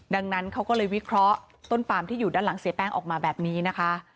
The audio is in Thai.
ดังนั้นเขาก็เลยวิเคราะห์ต้นปามที่อยู่ด้านหลังเสียแป้งออกมาแบบนี้นะคะ